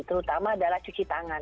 terutama adalah cuci tangan